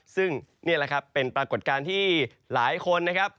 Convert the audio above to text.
ซึ่งนี่แหละครับเป็นปรากฏการณ์ที่หลายคนนะครับ